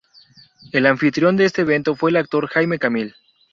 El anfitrión de este evento fue el actor Jaime Camil.